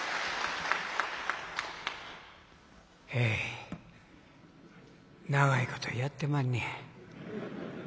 え長いことやってまんねや。